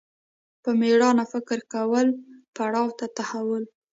په مېړانه فکر کولو پړاو ته تحول